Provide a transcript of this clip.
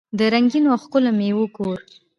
د رنګینو او ښکلو میوو کور.